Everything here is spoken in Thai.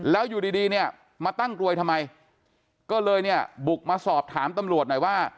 แล้วอยู่ดีดีเนี่ยมาตั้งกรวยทำไมก็เลยเนี่ยบุกมาสอบถามตำรวจหน่อยว่า